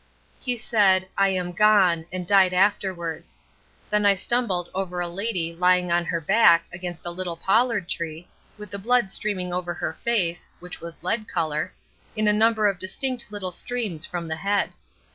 He said 'I am gone,' and died afterwards. Then I stumbled over a lady lying on her back against a little pollard tree, with the blood streaming over her face (which was lead color) in a number of distinct little streams from the head.